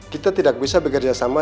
kita tidak bisa bekerja sama